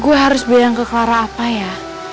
gue harus bayang ke clara apa ya